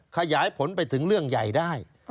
ขยายผลไปถึงเรื่องใหญ่ได้